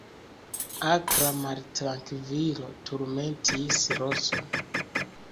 Akra maltrankvilo turmentis Roson.